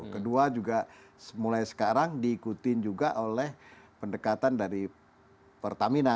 kedua juga mulai sekarang diikutin juga oleh pendekatan dari pertamina